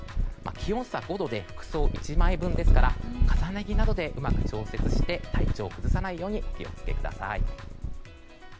気温差５度で服装１枚分ですから重ね着などでうまく調節して体調を崩さないようにお気を付けください。